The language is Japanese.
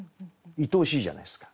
いとおしいじゃないですか。